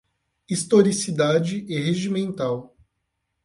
Historicidade e regimental